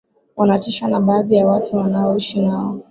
wanatishwa na baadhi ya watu wanaoishi nao